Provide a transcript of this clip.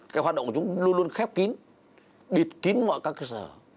cái hoạt động của chúng luôn luôn khép kín bịt kín mọi các cơ sở